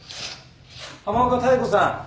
浜岡妙子さん